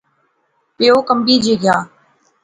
پیو کنبی جے گیا